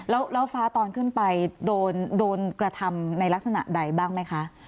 แล้วฟ้าตอนขึ้นไปโดนกระทำในลักษณะใดบ้างไหมคะ